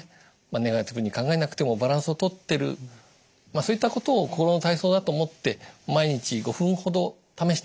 まあネガティブに考えなくてもバランスをとってるそういったことを心の体操だと思って毎日５分ほど試していただきたい。